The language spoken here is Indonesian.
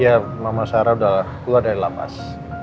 ya mama sarah udah keluar dari lamas